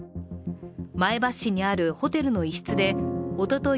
前橋市にあるホテルの一室でおととい